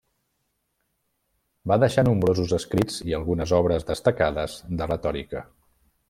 Va deixar nombrosos escrits i algunes obres destacades de retòrica.